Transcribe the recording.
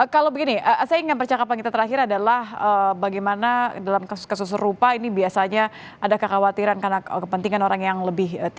kalau begini saya ingin percakapan kita terakhir adalah bagaimana dalam kasus kasus serupa ini biasanya ada kekhawatiran karena kepentingan orang yang lebih tinggi